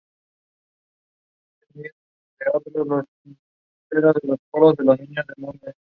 Se abrió entonces un complejo proceso de reformas legales y negociaciones políticas.